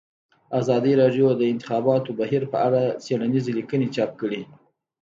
ازادي راډیو د د انتخاباتو بهیر په اړه څېړنیزې لیکنې چاپ کړي.